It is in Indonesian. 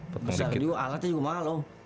bisa juga alatnya juga mahal om